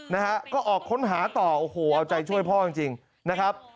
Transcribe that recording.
นะฮะก็ออกค้นหาต่อโอ้โหเอาใจช่วยพ่อจริงจริงนะครับ